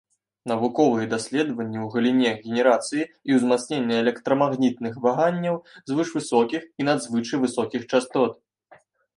Навуковыя даследаванні ў галіне генерацыі і ўзмацнення электрамагнітных ваганняў звышвысокіх і надзвычай высокіх частот.